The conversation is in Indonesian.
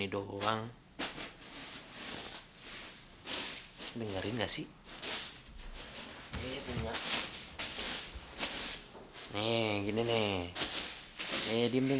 aduh aduh aduh aduh aduh aduh